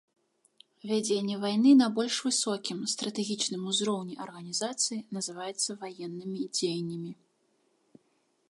Вядзенне вайны на больш высокім, стратэгічным узроўні арганізацыі называецца ваеннымі дзеяннямі.